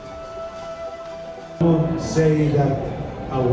saya ingin mengatakan bahwa